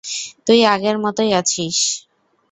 তুই আগের মতই আছিস।